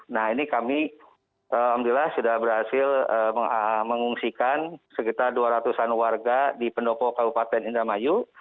nah ini kami alhamdulillah sudah berhasil mengungsikan sekitar dua ratus an warga di pendopo kabupaten indramayu